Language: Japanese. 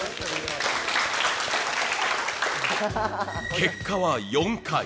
結果は４回。